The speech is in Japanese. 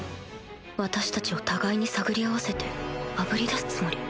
私たちを互いに探り合わせてあぶり出すつもり？